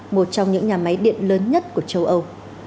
một trong những nhà máy điện lớn nhất của châu âu